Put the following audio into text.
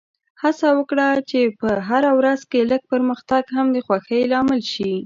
هڅه وکړه چې په هره ورځ کې لږ پرمختګ هم د خوښۍ لامل شي.